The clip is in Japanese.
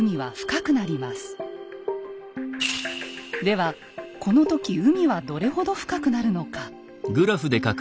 ではこの時海はどれほど深くなるのか。